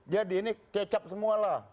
jadi ini kecap semualah